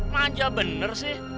manja bener sih